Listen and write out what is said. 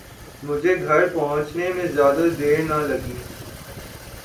مجھے گھر پہنچنے میں زیادہ دیر نہ لگی